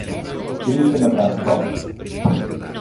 Crise no transporte.